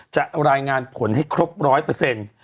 รายงานผลให้ครบร้อยเปอร์เซ็นต์